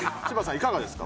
いかがですか？